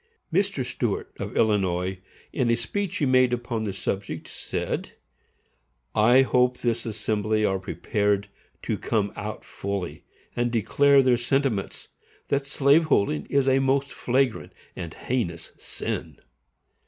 Mr. Stuart, of Illinois, in a speech he made upon the subject, said: I hope this assembly are prepared to come out fully and declare their sentiments, that slave holding is a most flagrant and heinous SIN.